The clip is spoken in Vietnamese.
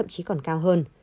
chỉ còn cao hơn